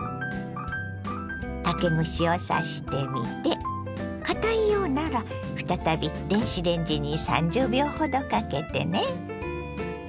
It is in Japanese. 竹串を刺してみてかたいようなら再び電子レンジに３０秒ほどかけてね。